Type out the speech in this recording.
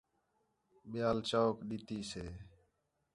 ٻِیال چَوک ݙِتّی سے